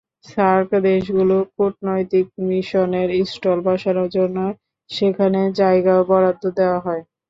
SAARC দেশগুলোর কূটনৈতিক মিশনের স্টল বসানোর জন্য সেখানে জায়গাও বরাদ্দ দেওয়া হয়।